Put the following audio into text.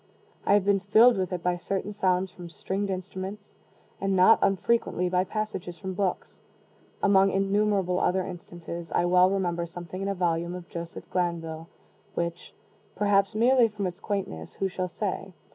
I have been filled with it by certain sounds from stringed instruments, and not unfrequently by passages from books. Among innumerable other instances, I well remember something in a volume of Joseph Glanvill, which (perhaps merely from its quaintness who shall say?)